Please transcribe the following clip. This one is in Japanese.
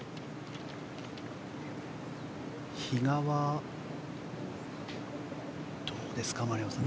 比嘉は、どうですか丸山さん。